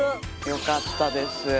よかったです。